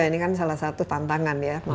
ini kan salah satu tantangan ya